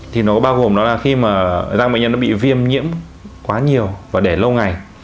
thì nó bao gồm nó là khi mà ra bệnh nhân nó bị viêm nhiễm quá nhiều và để lâu ngày